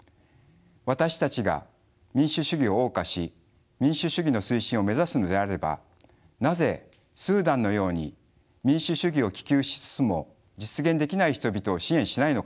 私たちが民主主義を謳歌し民主主義の推進を目指すのであればなぜスーダンのように民主主義を希求しつつも実現できない人々を支援しないのか。